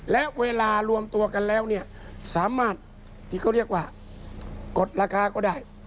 และเวลารวมตัวกันแล้วเนี่ยสามารถที่เขาเรียกว่ากดราคาก็ได้